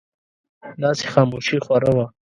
داسې خاموشي خوره وه.